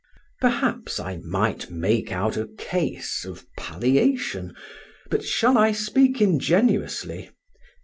Perhaps I might make out a case of palliation; but shall I speak ingenuously?